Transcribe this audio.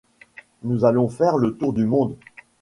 Nous allons faire le tour du monde.